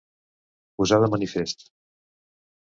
Posar de manifest.